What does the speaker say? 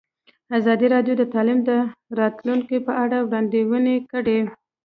ازادي راډیو د تعلیم د راتلونکې په اړه وړاندوینې کړې.